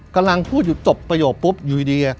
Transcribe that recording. กำลังพูดอยู่จบประโยคปุ๊บอยู่ดี